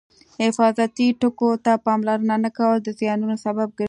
حفاظتي ټکو ته پاملرنه نه کول د زیانونو سبب ګرځي.